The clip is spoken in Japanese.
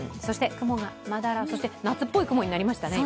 雲がまだら、夏っぽい雲になりましたね。